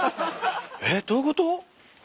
えっどういうこと？